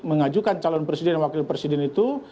mengajukan calon presiden dan wakil presiden itu